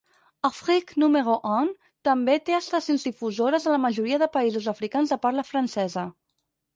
Afrique Numero Un també té estacions difusores a la majoria de països africans de parla francesa.